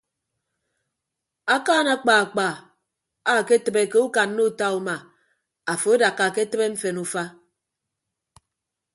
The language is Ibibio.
Akaan akpaakpa aketịbe ukanna uta uma afo adakka uke tịbe mfen ufa.